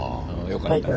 よかった。